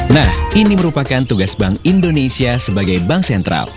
nah ini merupakan tugas bank indonesia sebagai bank sentral